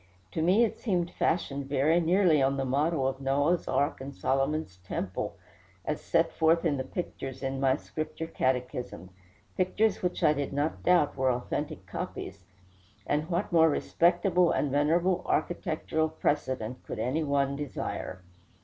To me it seemed fashioned very nearly on the model of Noah's ark and Solomon's temple, as set forth in the pictures in my Scripture Catechism pictures which I did not doubt were authentic copies; and what more respectable and venerable architectural precedent could any one desire?